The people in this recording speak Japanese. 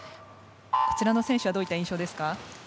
こちらの選手はどういった印象ですか？